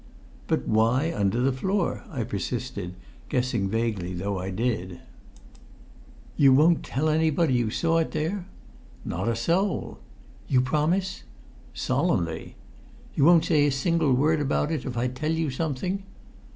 "But why under the floor?" I persisted, guessing vaguely though I did. "You won't tell anybody you saw it there?" "Not a soul." "You promise?" "Solemnly." "You won't say a single word about it, if I tell you something?"